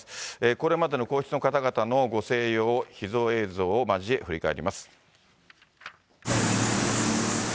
これまでの皇室の方々の御静養を秘蔵映像を交え振り返ります。